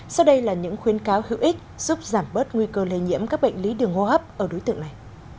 sau đây là những khuyến cáo hữu ích giúp giảm bớt nguy cơ lây nhiễm các bệnh lý đường hô hấp ở đối tượng này